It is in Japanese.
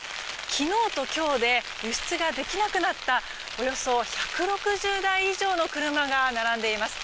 昨日と今日で輸出ができなくなったおよそ１６０台以上の車が並んでいます。